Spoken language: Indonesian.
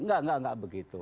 enggak enggak enggak begitu